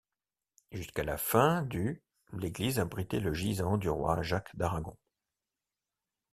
Jusqu'à la fin du l'église abritait le gisant du roi Jacques d'Aragon.